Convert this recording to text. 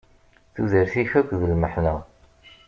Tudert-is akk d lmeḥna.